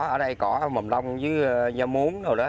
ở đây cỏ mầm đông với nho muống